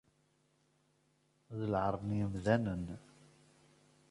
D lɛar n yimdanen.